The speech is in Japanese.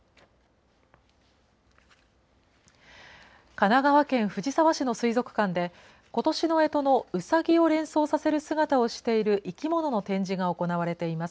神奈川県藤沢市の水族館で、ことしのえとのうさぎを連想させる姿をしている生き物の展示が行われています。